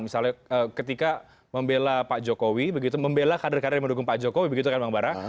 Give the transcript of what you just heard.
misalnya ketika membela pak jokowi begitu membela kader kader yang mendukung pak jokowi begitu kan bang bara